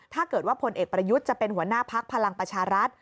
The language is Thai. ถ้าเกิดว่าพลเอกประยุทธ์จะเป็นหัวหน้าพักพลังประชารัฐ